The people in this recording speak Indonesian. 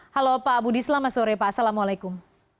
halo pak budi selamat sore pak assalamualaikum